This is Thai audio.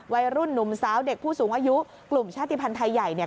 วัยรุ่นหนุ่มสาวเด็กผู้สูงอายุกลุ่มชาติภัณฑ์ไทยใหญ่เนี่ย